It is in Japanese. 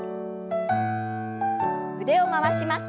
腕を回します。